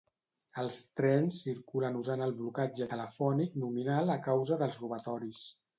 Els trens circulen usant el blocatge telefònic nominal a causa dels robatoris.